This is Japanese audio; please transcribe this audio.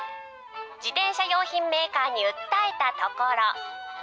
自転車用品メーカーに訴えたところ。